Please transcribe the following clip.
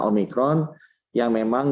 omikron yang memang